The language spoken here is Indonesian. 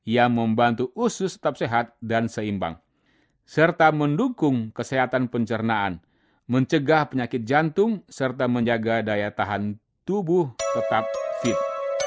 yang membantu usus tetap sehat dan seimbang serta mendukung kesehatan pencernaan mencegah penyakit jantung serta menjaga daya tahan tubuh tetap fit